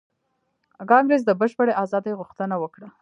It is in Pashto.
کانګریس د بشپړې ازادۍ غوښتنه وکړه.